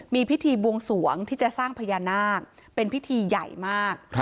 มีพิธีบวงสวงที่จะสร้างพญานาคเป็นพิธีใหญ่มาก